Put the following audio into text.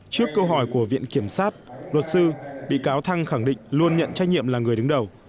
trước câu hỏi của viện kiểm sát luật sư bị cáo thăng khẳng định luôn nhận trách nhiệm là người đứng đầu